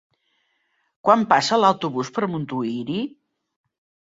Quan passa l'autobús per Montuïri?